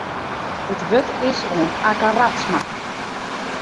It wurd is oan Akke Radsma.